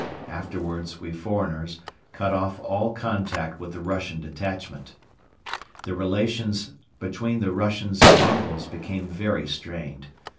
Afterwards we foreigners cut off all contact with the Russian detachment. The relations between the Russians and Mongols became very strained.